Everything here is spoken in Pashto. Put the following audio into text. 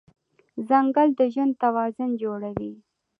ځنګل د ژوند توازن جوړوي.